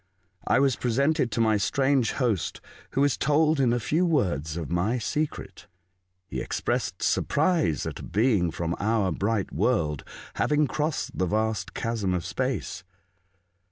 I was presented to my strange host, who was told in a few words my secret. He expressed surprise at a being from our bright world having crossed the vast chasm of space.